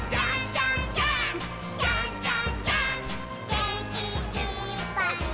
「げんきいっぱいもっと」